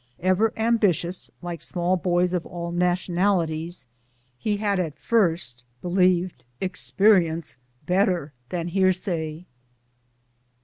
Ever ambitious, like small boys of all nationalities, he had at first believed experience better than hearsay.